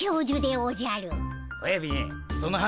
おやびん